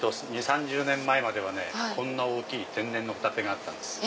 ２０３０年前まではねこんな大きい天然のホタテがあったんです。